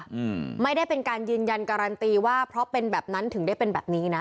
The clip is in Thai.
อืมไม่ได้เป็นการยืนยันการันตีว่าเพราะเป็นแบบนั้นถึงได้เป็นแบบนี้นะ